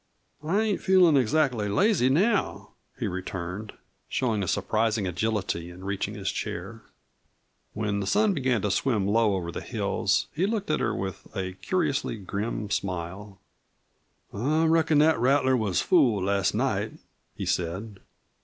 "I ain't feelin' exactly lazy now," he returned, showing a surprising agility in reaching his chair. When the sun began to swim low over the hills, he looked at her with a curiously grim smile. "I reckon that rattler was fooled last night," he said.